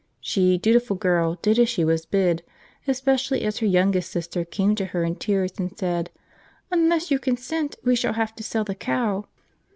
She, dutiful girl, did as she was bid, especially as her youngest sister came to her in tears and said, 'Unless you consent we shall have to sell the cow!'